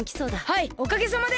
はいおかげさまで。